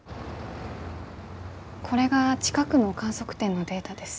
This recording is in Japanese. これが近くの観測点のデータです。